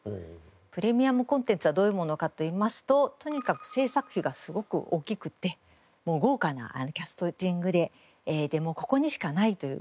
プレミアムコンテンツはどういうものかといいますととにかく制作費がすごく大きくて豪華なキャスティングでここにしかないという。